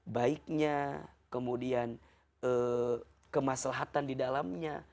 baiknya kemudian kemaslahatan di dalamnya